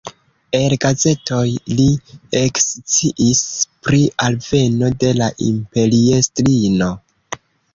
El gazetoj li eksciis pri alveno de la imperiestrino.